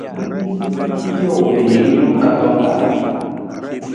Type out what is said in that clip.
Pijo wii na i ruwee kaartong taa.